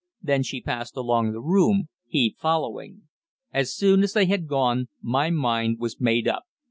Then she passed along the room, he following. As soon as they had gone my mind was made up.